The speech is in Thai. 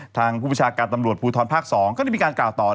ทางผู้ประชาการตำรวจภูทรภาค๒ก็ได้มีการกล่าวต่อ